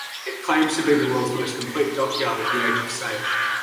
It claims to be the world's most complete dockyard of the Age of Sail.